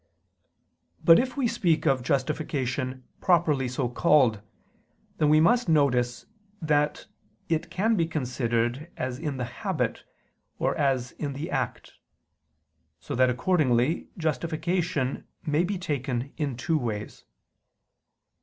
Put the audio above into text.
But if we speak of justification properly so called, then we must notice that it can be considered as in the habit or as in the act: so that accordingly justification may be taken in two ways.